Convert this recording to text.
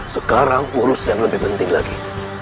sekarang urus yang lebih penting lagi